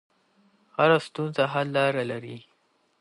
هر ستونزه د حل لار لري.